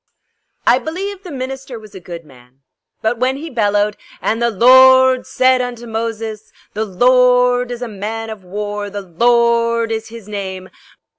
I believe the minister was a good man, but when he bellowed: "And the Lorrrrd said unto Moses, the Lorrrd is a man of war; the Lorrrd is his name.